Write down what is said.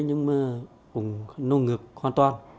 nhưng mà nó ngược hoàn toàn